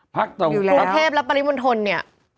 ภาคตรงภูเทพและปริวนธนเนี่ย